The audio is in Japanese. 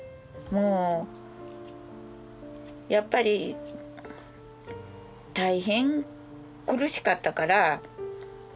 やっぱり大変苦しかったから。